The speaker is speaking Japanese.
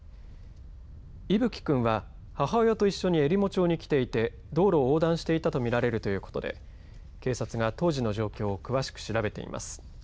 聖稀くんは母親と一緒にえりも町に来ていて道路を横断していたと見られるということで警察が当時の状況を詳しく調べています。